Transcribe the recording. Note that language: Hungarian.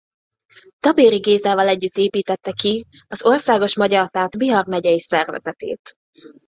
Tabéry Gézával együtt építette ki az Országos Magyar Párt Bihar megyei szervezetét.